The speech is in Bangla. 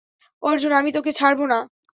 অর্জুন, আমি তোকে ছাড়বো না।